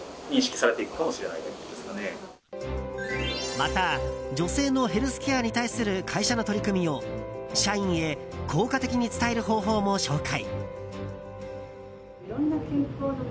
また女性のヘルスケアに対する会社の取り組みを社員へ効果的に伝える方法も紹介。